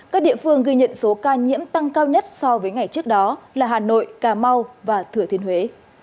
các địa phương ghi nhận số ca nhiễm tăng cao nhất so với ngày trước đó là hà nội cà mau và thừa thiên huế